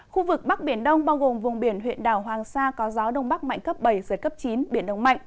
khu vực bắc biển đông bao gồm vùng biển huyện đảo hoàng sa có gió đông bắc mạnh cấp bảy giật cấp chín biển động mạnh